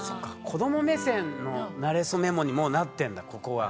子ども目線の「なれそメモ」にもうなってんだここは。